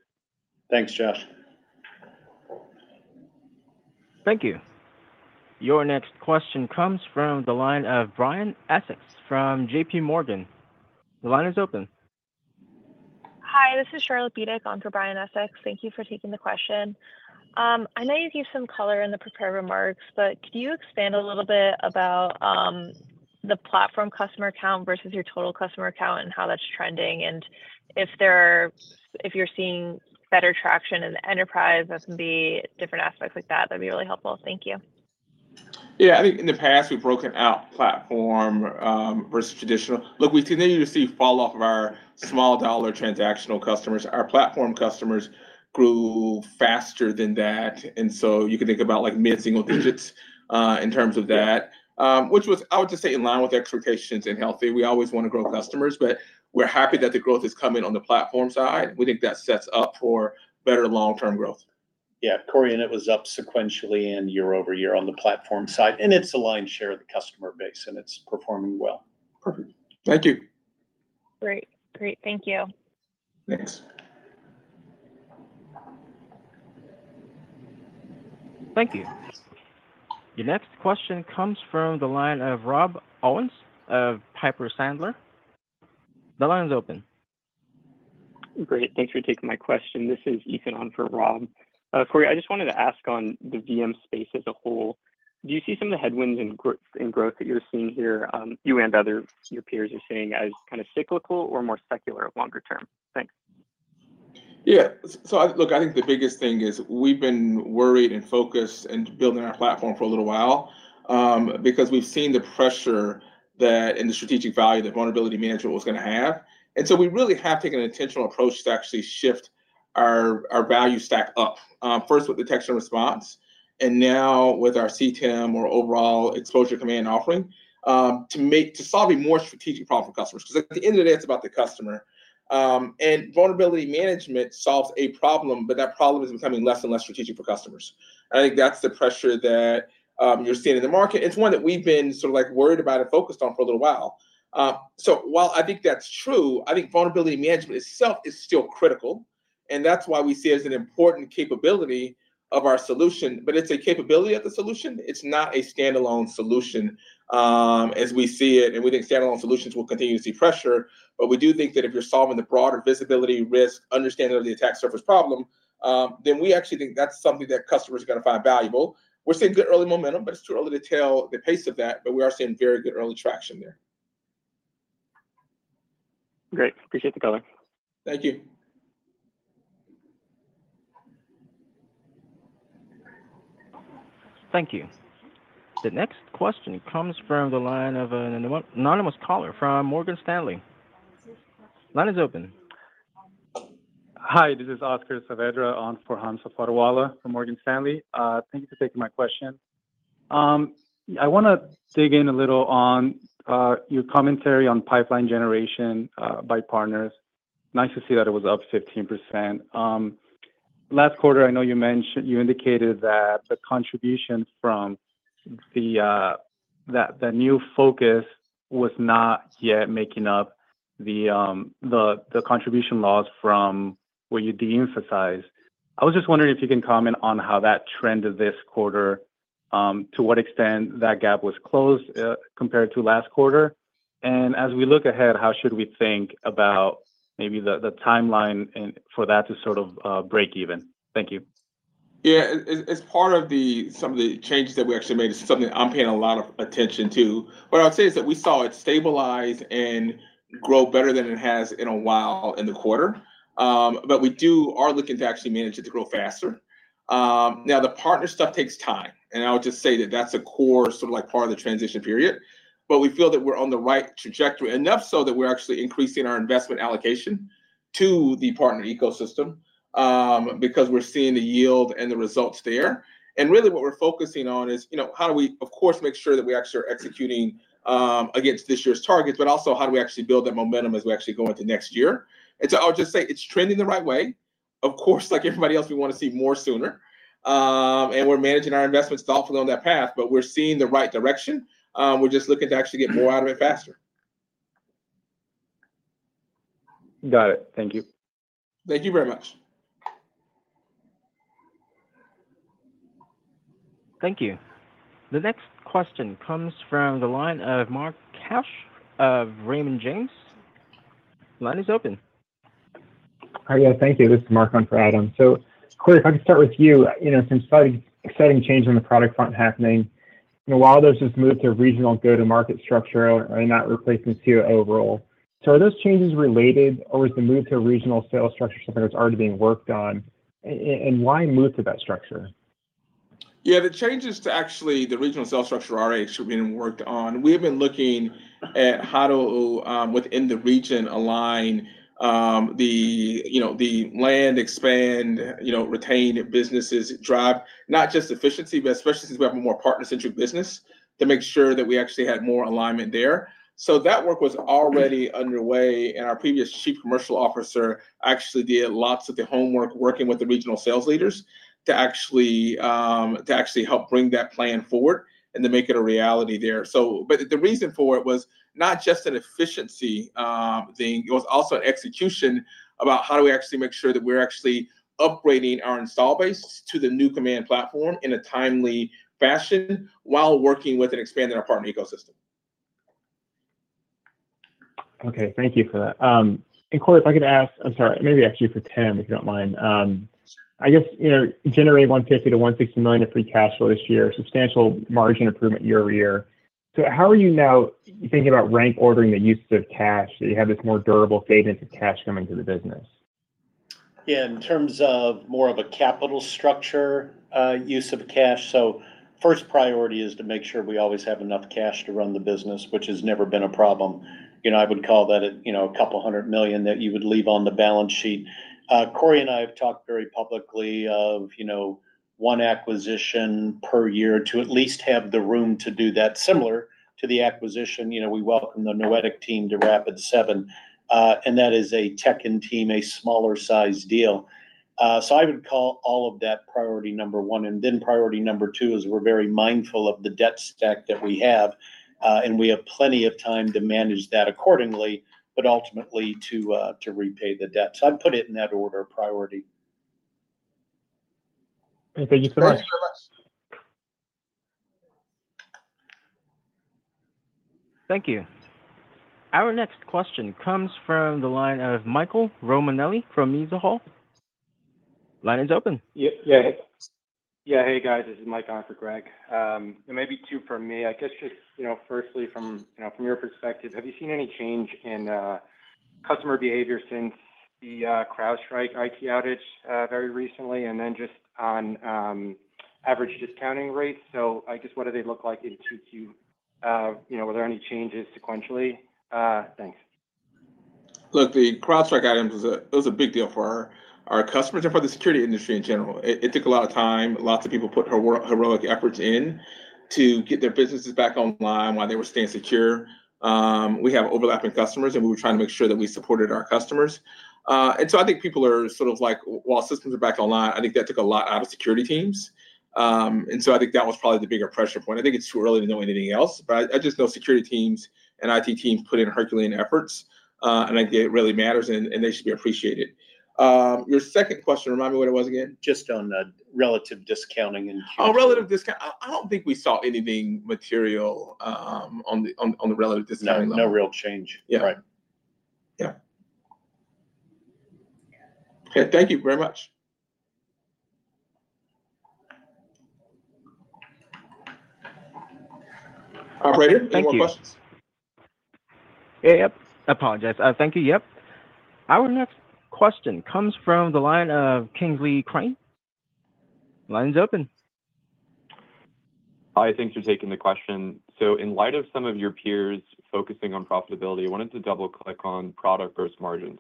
Thanks, Josh. Thank you. Your next question comes from the line of Brian Essex from J.P. Morgan. The line is open. Hi, this is Charlotte Bedick on for Brian Essex. Thank you for taking the question. I know you gave some color in the prepared remarks, but could you expand a little bit about the platform customer count versus your total customer count and how that's trending? And if you're seeing better traction in the enterprise, that can be different aspects like that, that'd be really helpful. Thank you. Yeah. I think in the past, we've broken out platform versus traditional. Look, we continue to see falloff of our small dollar transactional customers. Our platform customers grew faster than that, and so you can think about, like, mid-single digits in terms of that, which was, I would just say, in line with expectations and healthy. We always want to grow customers, but we're happy that the growth is coming on the platform side. We think that sets up for better long-term growth. Yeah. Corey, it was up sequentially and year-over-year on the platform side, and it's a line share of the customer base, and it's performing well. Perfect. Thank you. Great. Great. Thank you. Thanks. Thank you. Your next question comes from the line of Rob Owens of Piper Sandler. The line is open. Great. Thanks for taking my question. This is Ethan on for Rob. Corey, I just wanted to ask on the VM space as a whole, do you see some of the headwinds in growth that you're seeing here, you and other, your peers are seeing as kind of cyclical or more secular longer term? Thanks. Yeah. So look, I think the biggest thing is we've been worried and focused and building our platform for a little while, because we've seen the pressure that in the strategic value, that vulnerability management was gonna have. And so we really have taken an intentional approach to actually shift our, our value stack up, first with detection and response, and now with our CTEM or overall Exposure Command offering, to make, to solve a more strategic problem for customers. Because at the end of the day, it's about the customer. And vulnerability management solves a problem, but that problem is becoming less and less strategic for customers. I think that's the pressure that you're seeing in the market. It's one that we've been sort of like, worried about and focused on for a little while. So while I think that's true, I think vulnerability management itself is still critical, and that's why we see it as an important capability of our solution. But it's a capability of the solution, it's not a standalone solution, as we see it, and we think standalone solutions will continue to see pressure. But we do think that if you're solving the broader visibility, risk, understanding of the attack surface problem, then we actually think that's something that customers are gonna find valuable. We're seeing good early momentum, but it's too early to tell the pace of that, but we are seeing very good early traction there. Great. Appreciate the color. Thank you. Thank you. The next question comes from the line of an anonymous caller from Morgan Stanley. Line is open.... Hi, this is Oscar Saavedra on for Hamza Fodderwala from Morgan Stanley. Thank you for taking my question. I wanna dig in a little on your commentary on pipeline generation by partners. Nice to see that it was up 15%. Last quarter, I know you mentioned you indicated that the contributions from the new focus was not yet making up the contribution loss from what you de-emphasized. I was just wondering if you can comment on how that trended this quarter, to what extent that gap was closed compared to last quarter? And as we look ahead, how should we think about maybe the timeline and for that to sort of break even? Thank you. Yeah, as part of some of the changes that we actually made, it's something I'm paying a lot of attention to. What I would say is that we saw it stabilize and grow better than it has in a while in the quarter. But we are looking to actually manage it to grow faster. Now, the partner stuff takes time, and I would just say that that's a core, sort of like part of the transition period. But we feel that we're on the right trajectory, enough so that we're actually increasing our investment allocation to the partner ecosystem, because we're seeing the yield and the results there. Really, what we're focusing on is, you know, how do we, of course, make sure that we actually are executing against this year's targets, but also how do we actually build that momentum as we actually go into next year? So I'll just say it's trending the right way. Of course, like everybody else, we wanna see more sooner. We're managing our investments thoughtfully on that path, but we're seeing the right direction. We're just looking to actually get more out of it faster. Got it. Thank you. Thank you very much. Thank you. The next question comes from the line of Mark Cash of Raymond James. Line is open. Hi, guys. Thank you. This is Mark on for Adam. So, Corey, if I can start with you. You know, some exciting, exciting changes on the product front happening, and a lot of those just move to regional go-to-market structure and not replacement to overall. So are those changes related, or is the move to a regional sales structure something that's already being worked on? And why move to that structure? Yeah, the changes to actually the regional sales structure are actually being worked on. We have been looking at how to, within the region align, the, you know, the land, expand, you know, retain businesses, drive not just efficiency, but especially since we have a more partner-centric business, to make sure that we actually had more alignment there. So that work was already underway, and our previous Chief Commercial Officer actually did lots of the homework, working with the regional sales leaders to actually, to actually help bring that plan forward and to make it a reality there. So but the reason for it was not just an efficiency, thing, it was also an execution about how do we actually make sure that we're actually upgrading our install base to the new command platform in a timely fashion while working with and expanding our partner ecosystem. Okay. Thank you for that. And Corey, if I could ask... I'm sorry, maybe actually for Tim, if you don't mind. I guess, you know, generate $150 million-$160 million of free cash flow this year, substantial margin improvement year-over-year. So how are you now thinking about rank ordering the use of cash, so you have this more durable cadence of cash coming to the business? Yeah, in terms of more of a capital structure, use of cash. So first priority is to make sure we always have enough cash to run the business, which has never been a problem. You know, I would call that a, you know, $200 million that you would leave on the balance sheet. Corey and I have talked very publicly of, you know, one acquisition per year to at least have the room to do that, similar to the acquisition. You know, we welcome the Noetic team to Rapid7, and that is a tech and team, a smaller size deal. So I would call all of that priority number one, and then priority number two is we're very mindful of the debt stack that we have, and we have plenty of time to manage that accordingly, but ultimately, to repay the debt. So I'd put it in that order of priority. Okay, thank you so much. Thanks very much. Thank you. Our next question comes from the line of Michael Romanelli from Mizuho. Line is open. Yeah, yeah. Yeah. Hey, guys, this is Mike on for Greg. It may be two for me. I guess just, you know, firstly, from, you know, from your perspective, have you seen any change in customer behavior since the CrowdStrike IT outage very recently? And then just on average discounting rates. So I guess, what do they look like in 2Q? You know, were there any changes sequentially? Thanks. Look, the CrowdStrike item was a, it was a big deal for our, our customers and for the security industry in general. It, it took a lot of time, lots of people put heroic efforts in to get their businesses back online while they were staying secure. We have overlapping customers, and we were trying to make sure that we supported our customers. And so I think people are sort of like, while systems are back online, I think that took a lot out of security teams. And so I think that was probably the bigger pressure point. I think it's too early to know anything else, but I just know security teams and IT teams put in Herculean efforts, and I think it really matters, and, and they should be appreciated. Your second question, remind me what it was again? Just on the relative discounting and- Oh, relative discount. I don't think we saw anything material on the relative discounting. No, no real change. Yeah. Right. Yeah. Okay, thank you very much. Operator, any more questions? Thank you. Yeah, I apologize. Thank you. Yep. Our next question comes from the line of Kingsley Crane. Line is open. Hi, thanks for taking the question. So in light of some of your peers focusing on profitability, I wanted to double-click on product gross margins.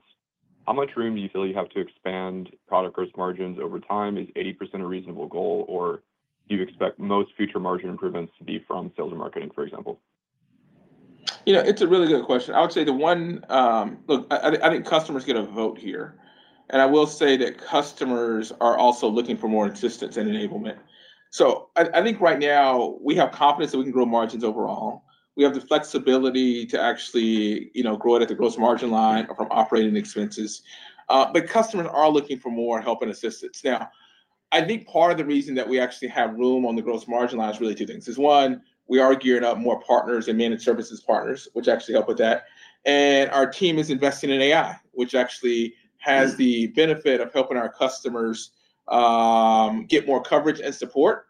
How much room do you feel you have to expand product gross margins over time? Is 80% a reasonable goal, or do you expect most future margin improvements to be from sales and marketing, for example? You know, it's a really good question. I would say the one, Look, I, I think customers get a vote here, and I will say that customers are also looking for more assistance and enablement. So I, I think right now we have confidence that we can grow margins overall. We have the flexibility to actually, you know, grow it at the gross margin line or from operating expenses. But customers are looking for more help and assistance. Now, I think part of the reason that we actually have room on the gross margin line is really two things. Is one, we are gearing up more partners and managed services partners, which actually help with that. And our team is investing in AI, which actually has the benefit of helping our customers, get more coverage and support,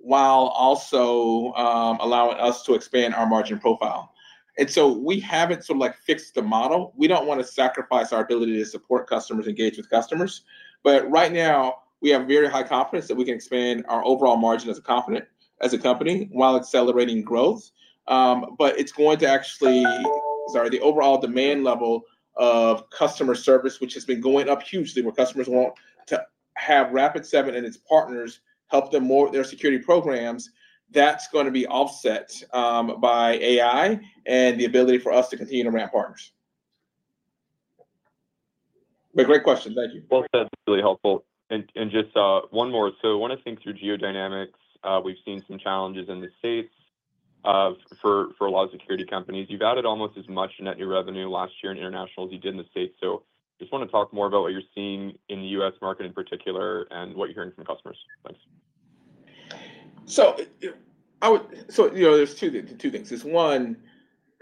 while also, allowing us to expand our margin profile. We haven't sort of, like, fixed the model. We don't want to sacrifice our ability to support customers, engage with customers. Right now, we have very high confidence that we can expand our overall margin as a company while accelerating growth. It's going to actually, sorry, the overall demand level of customer service, which has been going up hugely, where customers want to have Rapid7 and its partners help them more with their security programs, that's gonna be offset by AI and the ability for us to continue to ramp partners. Great question. Thank you. Well, that's really helpful. And just one more. So when I think through geo dynamics, we've seen some challenges in the States for a lot of security companies. You've added almost as much in net new revenue last year in international as you did in the States. So just want to talk more about what you're seeing in the U.S. market in particular and what you're hearing from customers. Thanks. You know, there are two things. One,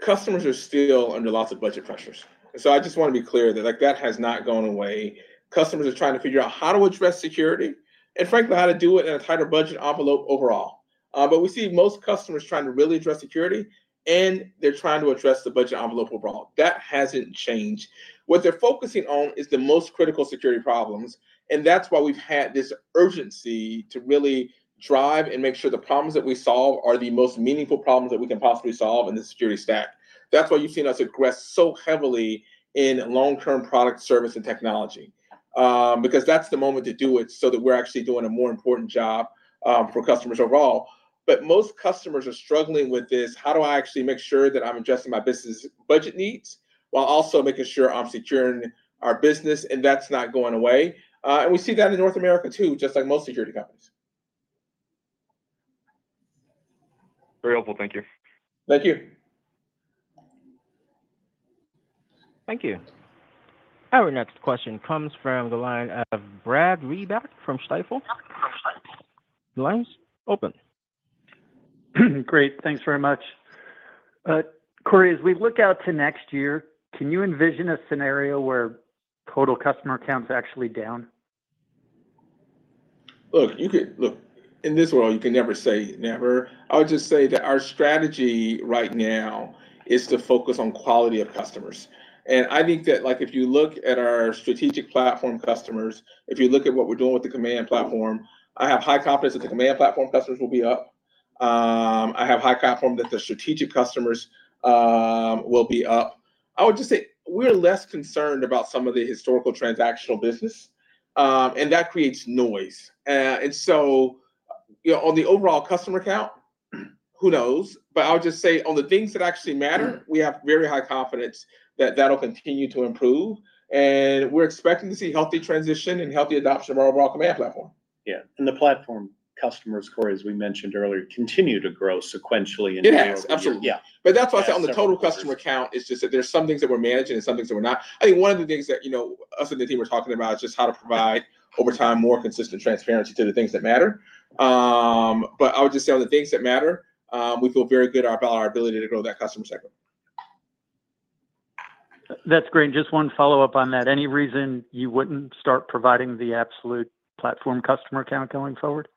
customers are still under lots of budget pressures. So I just want to be clear that, like, that has not gone away. Customers are trying to figure out how to address security and frankly, how to do it in a tighter budget envelope overall. But we see most customers trying to really address security, and they're trying to address the budget envelope overall. That hasn't changed. What they're focusing on is the most critical security problems, and that's why we've had this urgency to really drive and make sure the problems that we solve are the most meaningful problems that we can possibly solve in the security stack. That's why you've seen us aggress so heavily in long-term product service and technology. Because that's the moment to do it so that we're actually doing a more important job for customers overall. But most customers are struggling with this, "How do I actually make sure that I'm addressing my business budget needs, while also making sure I'm securing our business?" That's not going away. We see that in North America, too, just like most security companies. Very helpful. Thank you. Thank you. Thank you. Our next question comes from the line of Brad Reback from Stifel. The line's open. Great. Thanks very much. Corey, as we look out to next year, can you envision a scenario where total customer count is actually down? Look, in this world, you can never say never. I would just say that our strategy right now is to focus on quality of customers. I think that, like, if you look at our strategic platform customers, if you look at what we're doing with the Command platform, I have high confidence that the Command platform customers will be up. I have high confidence that the strategic customers will be up. I would just say we're less concerned about some of the historical transactional business, and that creates noise. And so, you know, on the overall customer count, who knows? But I'll just say on the things that actually matter, we have very high confidence that that'll continue to improve, and we're expecting to see healthy transition and healthy adoption of our overall Command platform. Yeah, and the platform customers, Corey, as we mentioned earlier, continue to grow sequentially and- It has, absolutely. Yeah. But that's why I said on the total customer count, it's just that there's some things that we're managing and some things that we're not. I think one of the things that, you know, us and the team were talking about is just how to provide, over time, more consistent transparency to the things that matter. But I would just say on the things that matter, we feel very good about our ability to grow that customer segment. That's great. Just one follow-up on that. Any reason you wouldn't start providing the absolute platform customer count going forward?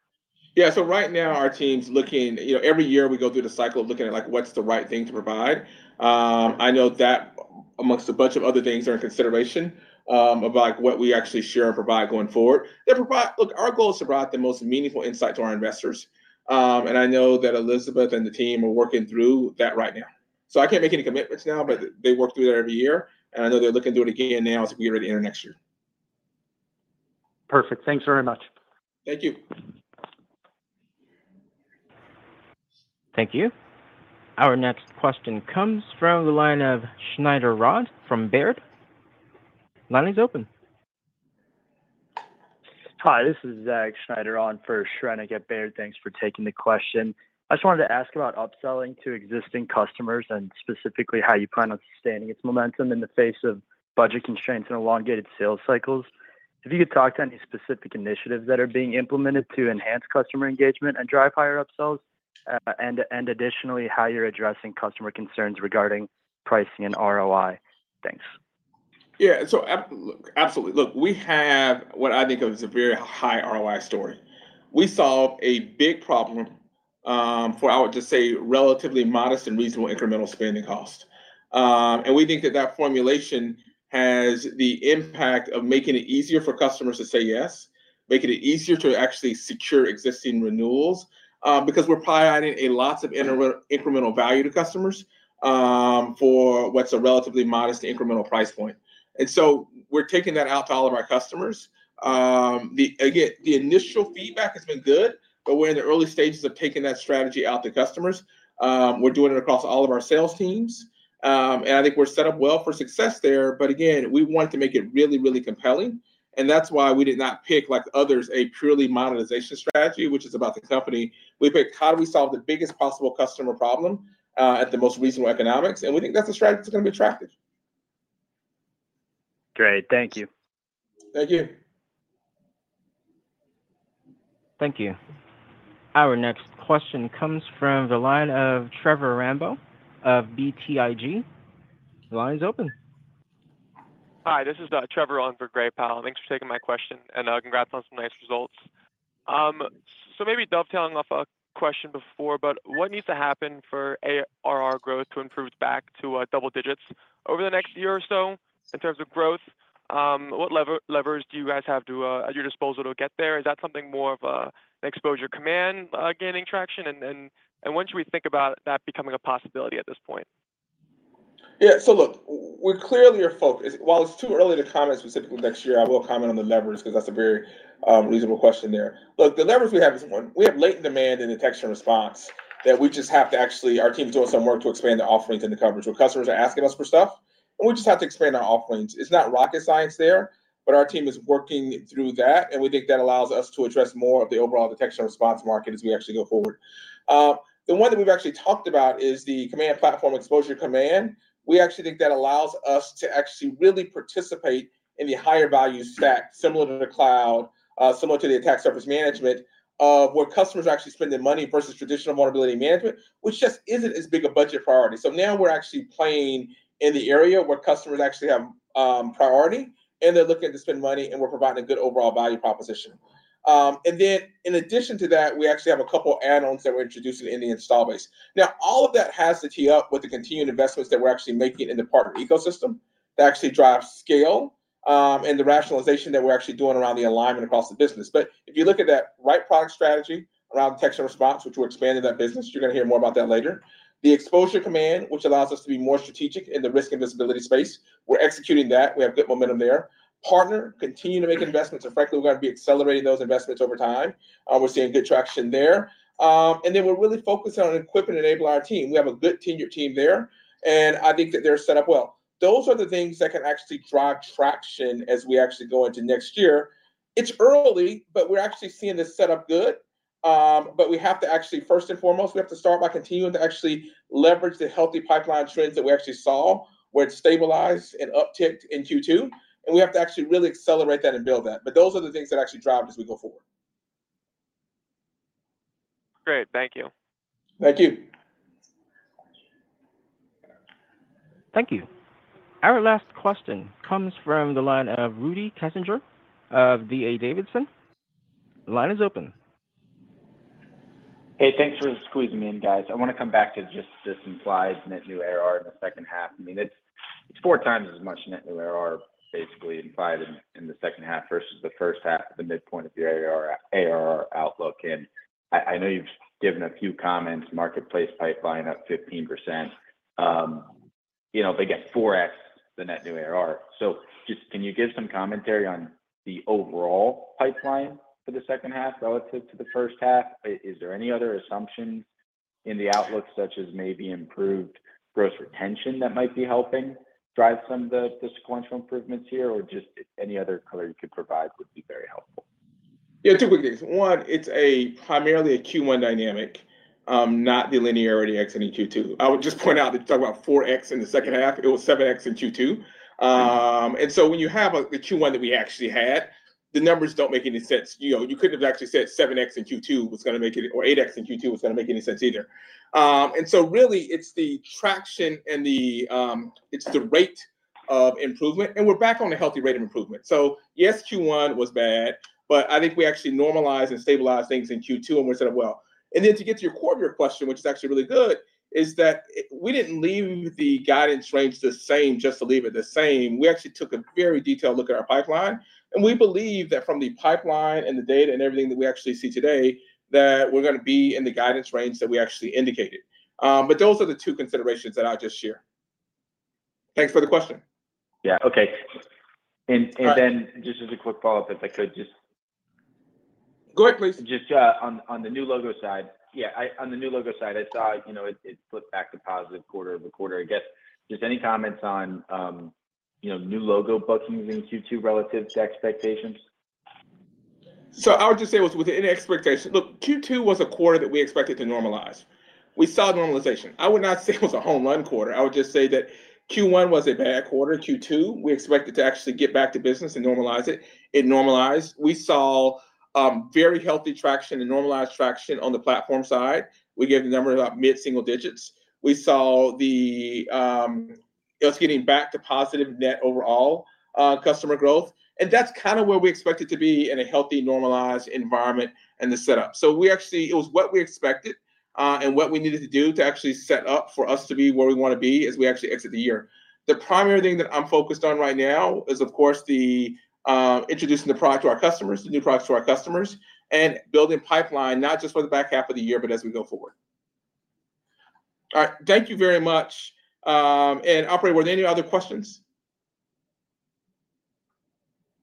Yeah. So right now, our team's looking... You know, every year we go through the cycle of looking at, like, what's the right thing to provide. I know that among a bunch of other things are in consideration about what we actually share and provide going forward. They look, our goal is to provide the most meaningful insight to our investors. And I know that Elizabeth and the team are working through that right now. So I can't make any commitments now, but they work through that every year, and I know they're looking to do it again now as we get ready to enter next year. Perfect. Thanks very much. Thank you. Thank you. Our next question comes from the line of Schneider from Baird. Line is open. Hi, this is Zach Schneider on for Schneider at Baird. Thanks for taking the question. I just wanted to ask about upselling to existing customers and specifically how you plan on sustaining its momentum in the face of budget constraints and elongated sales cycles. If you could talk to any specific initiatives that are being implemented to enhance customer engagement and drive higher upsells, and additionally, how you're addressing customer concerns regarding pricing and ROI. Thanks. Yeah. So look, absolutely. Look, we have what I think of as a very high ROI story. We solve a big problem. I would just say relatively modest and reasonable incremental spending cost. And we think that that formulation has the impact of making it easier for customers to say yes, making it easier to actually secure existing renewals, because we're providing a lot of incremental value to customers, for what's a relatively modest incremental price point. And so we're taking that out to all of our customers. Again, the initial feedback has been good, but we're in the early stages of taking that strategy out to customers. We're doing it across all of our sales teams. And I think we're set up well for success there, but again, we want to make it really, really compelling, and that's why we did not pick, like others, a purely monetization strategy, which is about the company. We picked, how do we solve the biggest possible customer problem, at the most reasonable economics? And we think that's a strategy that's gonna be attractive. Great. Thank you. Thank you. Thank you. Our next question comes from the line of Trevor Rambo of BTIG. The line's open. Hi, this is Trevor on for Gray Powell. Thanks for taking my question, and congrats on some nice results. So maybe dovetailing off a question before, but what needs to happen for ARR growth to improve back to double digits over the next year or so, in terms of growth? What levers do you guys have at your disposal to get there? Is that something more of Exposure Command gaining traction? And when should we think about that becoming a possibility at this point? Yeah, so look, we clearly are focused... While it's too early to comment specifically next year, I will comment on the levers, 'cause that's a very reasonable question there. Look, the levers we have is, one, we have latent demand in detection response, that we just have to actually—our team's doing some work to expand the offerings and the coverage. So customers are asking us for stuff, and we just have to expand our offerings. It's not rocket science there, but our team is working through that, and we think that allows us to address more of the overall detection response market as we actually go forward. The one that we've actually talked about is the Command Platform Exposure Command. We actually think that allows us to actually really participate in the higher value stack, similar to the cloud, similar to the attack surface management, where customers are actually spending money versus traditional vulnerability management, which just isn't as big a budget priority. So now we're actually playing in the area where customers actually have priority, and they're looking to spend money, and we're providing a good overall value proposition. And then in addition to that, we actually have a couple of add-ons that we're introducing in the install base. Now, all of that has to tee up with the continued investments that we're actually making in the partner ecosystem, that actually drive scale, and the rationalization that we're actually doing around the alignment across the business. But if you look at that right product strategy around detection response, which we're expanding that business, you're gonna hear more about that later. The Exposure Command, which allows us to be more strategic in the risk and visibility space, we're executing that. We have good momentum there. Partner, continuing to make investments, and frankly, we're gonna be accelerating those investments over time. We're seeing good traction there. And then we're really focused on equip and enable our team. We have a good tenure team there, and I think that they're set up well. Those are the things that can actually drive traction as we actually go into next year. It's early, but we're actually seeing this set up good. But we have to actually, first and foremost, we have to start by continuing to actually leverage the healthy pipeline trends that we actually saw, where it stabilized and upticked in Q2, and we have to actually really accelerate that and build that. But those are the things that actually drive as we go forward. Great. Thank you. Thank you. Thank you. Our last question comes from the line of Rudy Kessinger of D.A. Davidson. The line is open. Hey, thanks for squeezing me in, guys. I want to come back to just some slides, net new ARR in the second half. I mean, it's four times as much net new ARR, basically, and five in the second half versus the first half, the midpoint of your ARR outlook. And I know you've given a few comments, marketplace pipeline up 15%. You know, they get 4x the net new ARR. So just, can you give some commentary on the overall pipeline for the second half relative to the first half? Is there any other assumptions in the outlook, such as maybe improved gross retention that might be helping drive some of the sequential improvements here, or just any other color you could provide would be very helpful. Yeah, two quick things. One, it's primarily a Q1 dynamic, not the linearity x and Q2. I would just point out that you talk about 4x in the second half, it was 7x in Q2. And so when you have the Q1 that we actually had, the numbers don't make any sense. You know, you couldn't have actually said 7x in Q2 was gonna make it, or 8x in Q2 was gonna make any sense either. And so really, it's the traction and the, it's the rate of improvement, and we're back on a healthy rate of improvement. So yes, Q1 was bad, but I think we actually normalized and stabilized things in Q2, and we're set up well. And then to get to your core question, which is actually really good, is that we didn't leave the guidance range the same just to leave it the same. We actually took a very detailed look at our pipeline, and we believe that from the pipeline and the data and everything that we actually see today, that we're gonna be in the guidance range that we actually indicated. But those are the two considerations that I'll just share. Thanks for the question. Yeah. Okay. and then just as a quick follow-up, if I could just- Go ahead, please. Just on the new logo side, yeah, I saw, you know, it flipped back to positive quarter over quarter. I guess just any comments on, you know, new logo bookings in Q2 relative to expectations? So I would just say it was within expectation. Look, Q2 was a quarter that we expected to normalize. We saw normalization. I would not say it was a home run quarter. I would just say that Q1 was a bad quarter. Q2, we expected to actually get back to business and normalize it. It normalized. We saw very healthy traction and normalized traction on the platform side. We gave the number about mid-single digits. We saw the us getting back to positive net overall customer growth, and that's kind of where we expect it to be in a healthy, normalized environment and the setup. So we actually, it was what we expected, and what we needed to do to actually set up for us to be where we want to be as we actually exit the year. The primary thing that I'm focused on right now is, of course, the introducing the product to our customers, the new products to our customers, and building pipeline, not just for the back half of the year, but as we go forward. All right. Thank you very much. And operator, were there any other questions?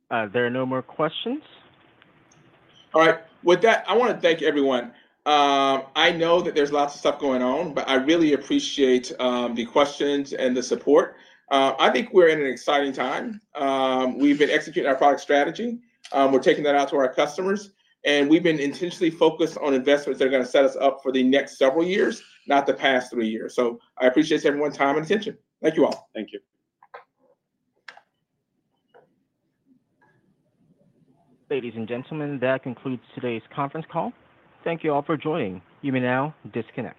There are no more questions. All right. With that, I wanna thank everyone. I know that there's lots of stuff going on, but I really appreciate the questions and the support. I think we're in an exciting time. We've been executing our product strategy, we're taking that out to our customers, and we've been intentionally focused on investments that are gonna set us up for the next several years, not the past three years. So I appreciate everyone's time and attention. Thank you all. Thank you. Ladies and gentlemen, that concludes today's conference call. Thank you all for joining. You may now disconnect.